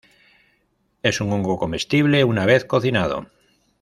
Es un hongo comestible una vez cocinado.